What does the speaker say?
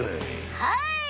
はい。